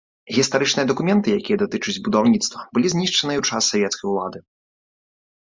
Гістарычныя дакументы, якія датычаць будаўніцтва, былі знішчаныя ў часы савецкай улады.